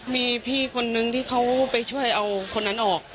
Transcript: มีพี่คนนึงที่เขาไปช่วยเอาคนนั้นออก